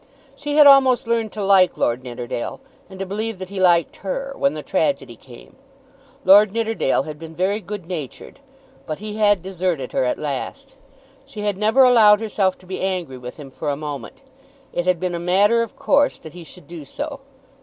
She had almost learned to like Lord Nidderdale and to believe that he liked her, when the tragedy came. Lord Nidderdale had been very good natured, but he had deserted her at last. She had never allowed herself to be angry with him for a moment. It had been a matter of course that he should do so.